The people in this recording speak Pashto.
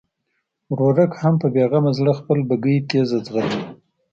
ورورک هم په بېغمه زړه خپله بګۍ تېزه ځغلوي.